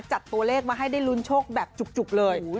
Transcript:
จัดตัวเลขมาให้ได้ลุ้นโชคแบบจุกเลย